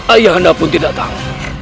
ayah anda pun tidak tahu